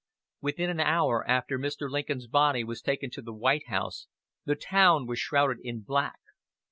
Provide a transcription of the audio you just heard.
Within an hour after Mr. Lincoln's body was taken to the White House the town was shrouded in black.